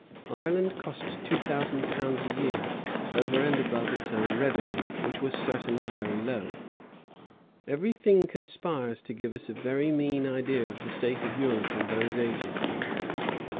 Ireland cost two thousand pounds a year, over and above its own revenue; which was certainly very low. Every thing conspires to give us a very mean idea of the state of Europe in those ages.